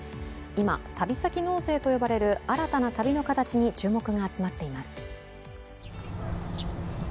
今、旅先納税と呼ばれる新たな旅の形に注目が集まっています。